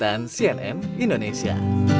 dan cnn indonesia